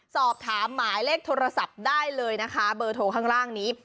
สอบถามหมายเลขโทรศัพท์ได้เลยนะคะเบอร์โทรข้างล่างนี้